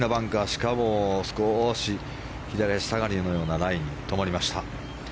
しかも少し左足下がりのようなライに止まりました。